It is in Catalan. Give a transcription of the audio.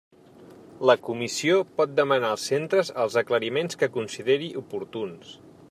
La Comissió pot demanar als centres els aclariments que consideri oportuns.